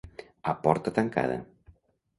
A porta tancada.